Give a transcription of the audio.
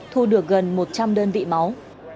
thu được gần một trăm linh đơn vị máu